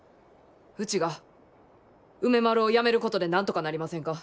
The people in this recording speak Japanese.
ウチが梅丸をやめることでなんとかなりませんか。